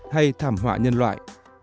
hay thảm họa nhân loại